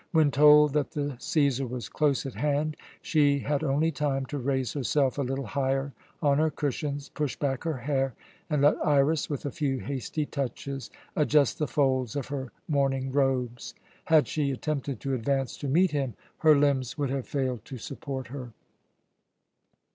When told that the Cæsar was close at hand, she had only time to raise herself a little higher on her cushions, push back her hair, and let Iras, with a few hasty touches, adjust the folds of her mourning robes. Had she attempted to advance to meet him, her limbs would have failed to support her.